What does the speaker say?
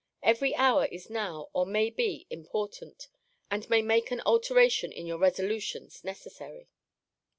Every hour is now, or may be, important; and may make an alteration in your resolutions necessary.